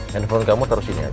handphone kamu taruh sini aja